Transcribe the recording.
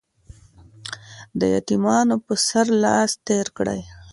د يتيمانو په سر لاس تېر کړئ.